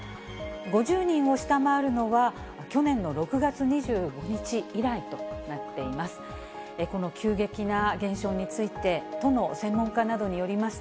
５０人を下回るのは、去年の６月２５日以来となっています。